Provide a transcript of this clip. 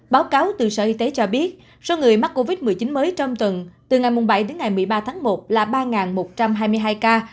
báo cáo từ sở y tế cho biết số người mắc covid một mươi chín mới trong tuần từ ngày bảy đến ngày một mươi ba tháng một là ba một trăm hai mươi hai ca